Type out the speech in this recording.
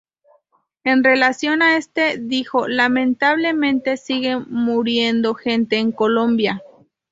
En relación a esto dijo "lamentablemente sigue muriendo gente en Colombia".